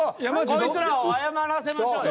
こいつらを謝らせましょうよ。